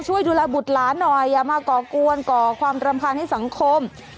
ช่วยดูแลบุตรหลานหน่อยอย่ามาก่อกวนก่อความรำคาญให้สังคม